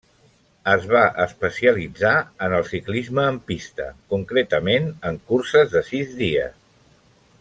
Es va especialitzar en el ciclisme en pista concretament en curses de sis dies.